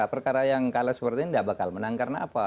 perkara yang kalah seperti ini tidak bakal menang karena apa